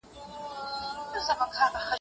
ایا استاد د شاګرد مخالفت منلی دی؟